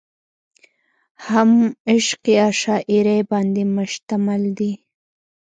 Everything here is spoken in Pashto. هم عشقيه شاعرۍ باندې مشتمل دي ۔